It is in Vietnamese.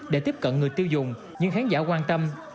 để tiếp cận người tiêu dùng những khán giả quan tâm